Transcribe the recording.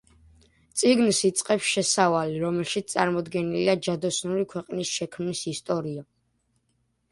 წიგნს იწყებს შესავალი, რომელშიც წარმოდგენილია ჯადოსნური ქვეყნის შექმნის ისტორია.